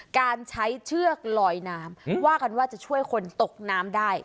การใช้เชือกลอยน้ำว่ากันว่าจะช่วยคนตกน้ำได้